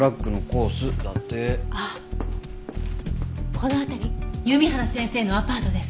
この辺り弓原先生のアパートです。